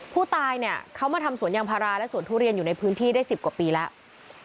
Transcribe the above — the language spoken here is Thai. ผู้ตายเนี่ยเขามาทำสวนยางพาราและสวนทุเรียนอยู่ในพื้นที่ได้๑๐กว่าปีแล้ว